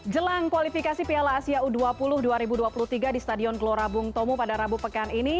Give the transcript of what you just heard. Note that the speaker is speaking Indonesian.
jelang kualifikasi piala asia u dua puluh dua ribu dua puluh tiga di stadion gelora bung tomo pada rabu pekan ini